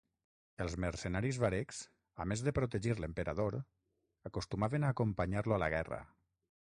Els mercenaris varegs, a més de protegir l'emperador, acostumaven a acompanyar-lo a la guerra.